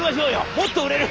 もっと売れる。